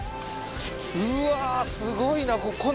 うわすごいなここ。